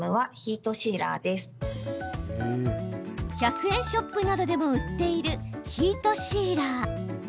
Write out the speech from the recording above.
１００円ショップなどでも売っているヒートシーラー。